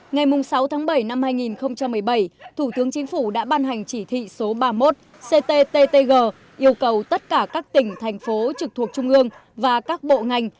ngày sáu tháng bảy năm hai nghìn một mươi bảy thủ tướng chính phủ đã ban hành chỉ thị số ba mươi một cttg yêu cầu tất cả các tỉnh thành phố trực thuộc trung ương và các bộ ngành